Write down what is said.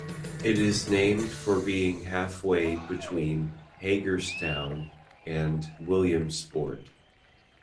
It is named for being halfway between Hagerstown and Williamsport.